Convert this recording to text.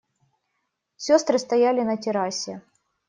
Сестры стояли на террасе.